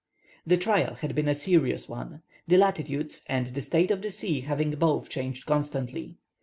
The trial had been a serious one, the latitudes and the state of the sea having both changed constantly.